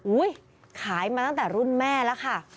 ขายมาตั้งแต่รุ่นแม่แล้วค่ะ